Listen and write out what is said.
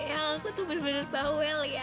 kalau aku tuh bener bener bawel ya